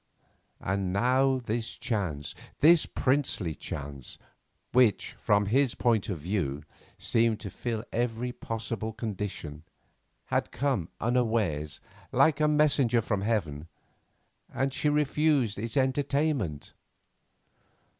And now this chance, this princely chance, which, from his point of view, seemed to fill every possible condition, had come unawares, like a messenger from Heaven, and she refused its entertainment.